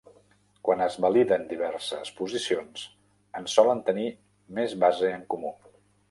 Quan es validen diverses posicions, en solen tenir més base en comú.